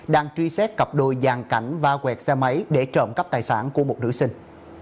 đang truy xét cặp đôi giàn cảnh va quẹt xe máy để trộm cắp tài sản của một nữ sinh